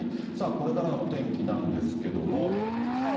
さあ、これからのお天気なんですけれども。